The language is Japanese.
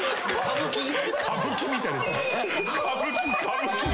歌舞伎みたい。